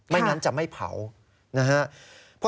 ไม่งั้นจะไม่เผานะครับ